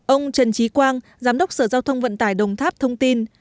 ông trần trí quang giám đốc sở giao thông vận tải đồng tháp thông tin